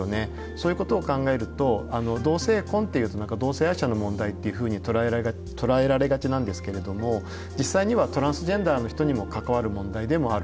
そういうことを考えると同性婚っていうと同性愛者の問題っていうふうに捉えられがちなんですけれども実際にはトランスジェンダーの人にも関わる問題でもある。